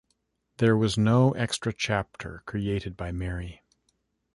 There was no extra chapter created by Mary.